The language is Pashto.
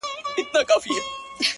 د خوار د ژوند كيسه ماتـه كړه،